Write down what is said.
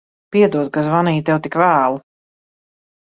Piedod, ka zvanīju tev tik vēlu.